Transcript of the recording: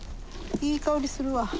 いい香りするわ。